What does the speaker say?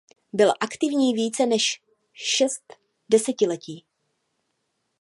Byl aktivní více než šest desetiletí.